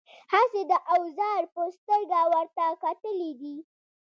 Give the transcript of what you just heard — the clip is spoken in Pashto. هسې د اوزار په سترګه ورته کتلي دي.